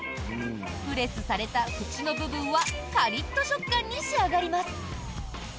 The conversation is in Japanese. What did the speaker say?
プレスされた縁の部分はカリッと食感に仕上がります。